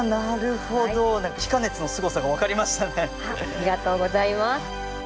ありがとうございます。